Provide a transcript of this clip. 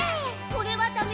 「これはダメ？」